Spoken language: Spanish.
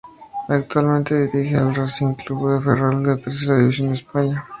Actualmente dirige al Racing Club de Ferrol de la Tercera División de España.